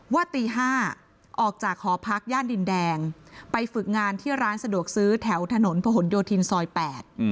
ว่าตีห้าออกจากหอพักย่านดินแดงไปฝึกงานที่ร้านสะดวกซื้อแถวถนนพะหนโยธินซอยแปด